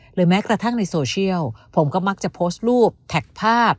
แม้กระทั่งในโซเชียลผมก็มักจะโพสต์รูปแท็กภาพ